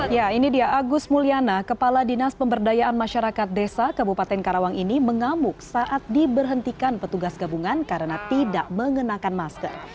ya ini dia agus mulyana kepala dinas pemberdayaan masyarakat desa kabupaten karawang ini mengamuk saat diberhentikan petugas gabungan karena tidak mengenakan masker